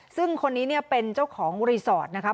ซึ่งคนนี้เนี่ยเป็นเจ้าของรีสอร์ทนะครับ